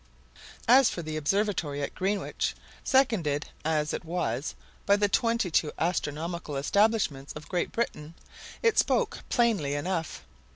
As for the observatory at Greenwich, seconded as it was by the twenty two astronomical establishments of Great Britain, it spoke plainly enough.